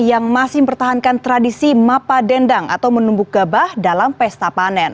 yang masih mempertahankan tradisi mapa dendang atau menumbuk gabah dalam pesta panen